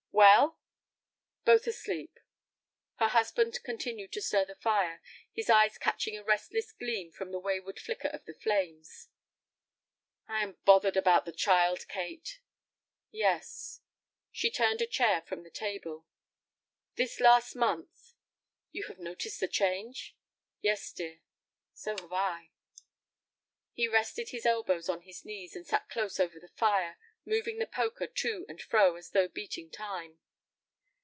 "Well?" "Both asleep." Her husband continued to stir the fire, his eyes catching a restless gleam from the wayward flicker of the flames. "I am bothered about the child, Kate." "Yes." She turned a chair from the table. "This last month—" "You have noticed the change?" "Yes, dear." "So have I." He rested his elbows on his knees, and sat close over the fire, moving the poker to and fro as though beating time.